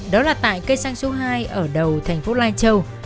đó là tại cây xăng số hai ở đầu thành phố lai châu